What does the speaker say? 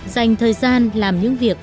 dành thời gian làm những việc